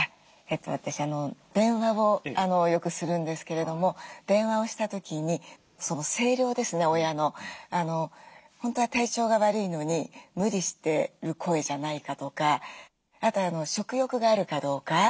私電話をよくするんですけれども本当は体調が悪いのに無理してる声じゃないかとかあと食欲があるかどうか。